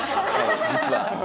実は。